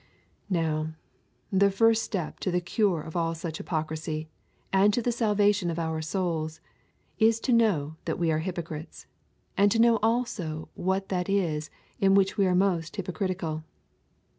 Now, the first step to the cure of all such hypocrisy, and to the salvation of our souls, is to know that we are hypocrites, and to know also what that is in which we are most hypocritical.